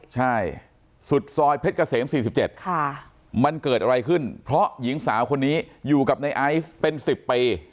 ใช่สุดซอยเพชรเกษม๔๗มันเกิดอะไรขึ้นเพราะหญิงสาวคนนี้อยู่กับในไอซ์เป็น๑๐ปี